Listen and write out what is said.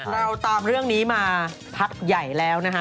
เราตามเรื่องนี้มาพักใหญ่แล้วนะฮะ